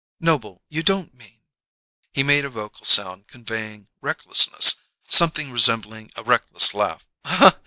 "Noble, you don't mean " He made a vocal sound conveying recklessness, something resembling a reckless laugh.